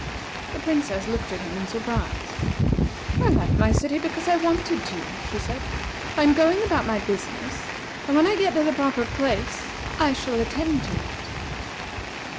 The Princess looked at him in surprise. "I left my city because I wanted to," she said. "I am going about my business, and when I get to the proper place, I shall attend to it."